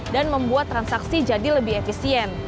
dan membuat transaksi jadi lebih efisien